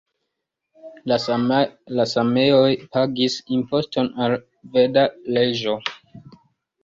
La sameoj pagis imposton al la veda reĝo.